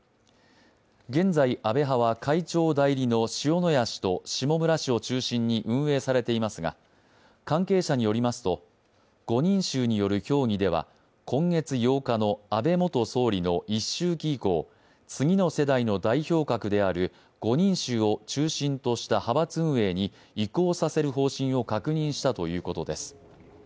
現在、安倍派は会長代理の塩谷氏と下村氏を中心に運営されていますが関係者によりますと、５人衆による協議では今月８日の安倍元総理の一周忌以降、次の世代の代表格である５人衆を中心とした派閥運営に移行させる方針を確認したということです。